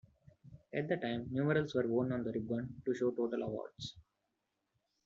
At the time, numerals were worn on the ribbon to show total awards.